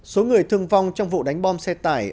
số người thương vong trong vụ đánh bom xe tải